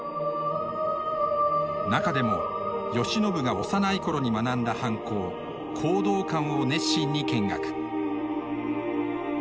中でも慶喜が幼い頃に学んだ藩校弘道館を熱心に見学。